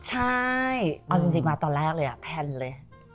ใช่เอาจริงมาตอนแรกเลยแพลนเลย